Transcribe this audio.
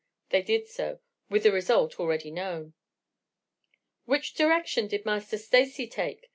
They did so, with the result already known. "Which direction did Master Stacy take?"